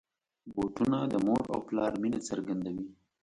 بوټونه د مور او پلار مینه څرګندوي.